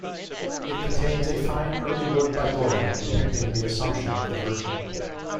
It contains a fine early work by Goya depicting the Assumption of the Virgin.